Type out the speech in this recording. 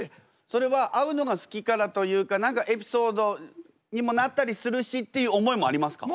それは会うのが好きからというか何かエピソードにもなったりするしっていう思いもありますか？